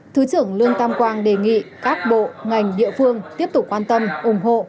thứ trưởng lương tam quang đề nghị các bộ ngành địa phương tiếp tục quan tâm ủng hộ